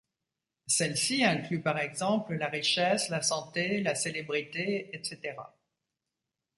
Celles-ci incluent, par exemple, la richesse, la santé, la célébrité, etc.